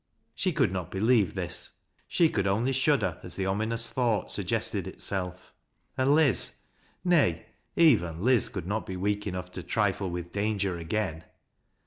She could not believe this, — she could only ahuider a 5 the ominous thought suggested itself. And Liz— nay, even Liz could not be weak enough to trifle witli danger again.